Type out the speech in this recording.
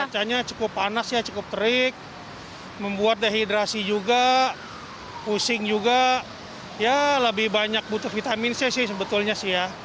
cuacanya cukup panas ya cukup terik membuat dehidrasi juga pusing juga ya lebih banyak butuh vitamin c sih sebetulnya sih ya